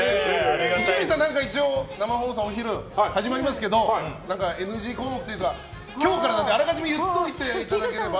伊集院さん、生放送お昼始まりますけどＮＧ項目というか今日からなのであらかじめ言っておいていただければ。